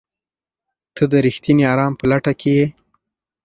ته د رښتیني ارام په لټه کې یې؟